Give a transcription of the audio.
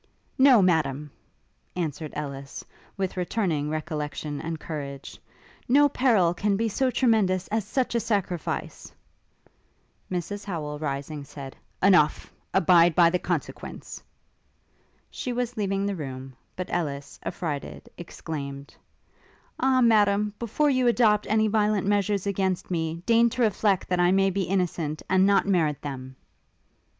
'No, Madam!' answered Ellis, with returning recollection and courage; 'no peril can be so tremendous as such a sacrifice!' Mrs Howel, rising, said, 'Enough! abide by the consequence.' She was leaving the room; but Ellis, affrighted, exclaimed, 'Ah, Madam, before you adopt any violent measures against me, deign to reflect that I may be innocent, and not merit them!'